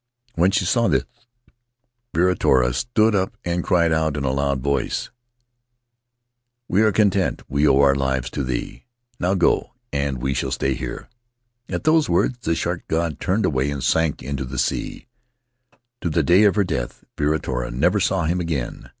When she saw this, Viritoa stood up and cried out in a loud voice: 'We are content — we owe our lives to thee. Now go, and we shall stay here !' At those words the shark god turned away and sank into the sea; to the day of her death Viritoa never saw him again.